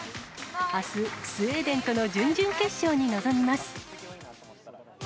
あす、スウェーデンとの準々決勝に臨みます。